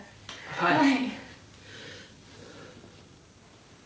はい。